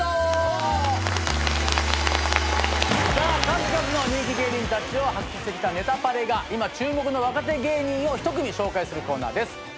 数々の人気芸人たちを発掘してきた『ネタパレ』が今注目の若手芸人を１組紹介するコーナーです。